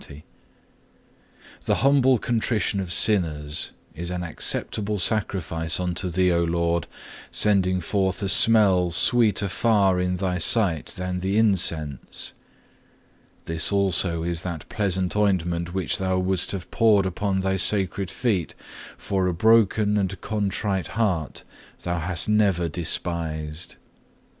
The humble contrition of sinners is an acceptable sacrifice unto Thee, O Lord, sending forth a smell sweeter far in Thy sight than the incense. This also is that pleasant ointment which Thou wouldst have poured upon Thy sacred feet, for a broken and contrite heart Thou hast never despised.